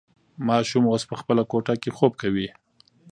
ماشوم اوس په خپله کوټه کې خوب کوي.